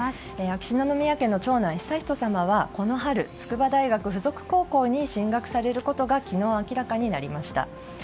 秋篠宮家の長男・悠仁さまはこの春、筑波大附属高校に進学されることが昨日明らかになりました。